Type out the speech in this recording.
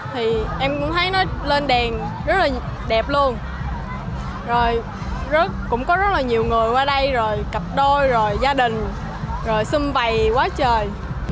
thì em cũng thấy nó lên đèn rất là đẹp luôn rồi cũng có rất là nhiều người qua đây rồi cặp đôi rồi gia đình rồi xom vầy quá trời